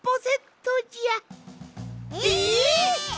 え！？